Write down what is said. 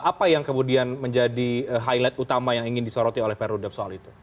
apa yang kemudian menjadi highlight utama yang ingin disoroti oleh perudap soal itu